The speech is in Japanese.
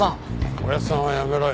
おやっさんはやめろよ。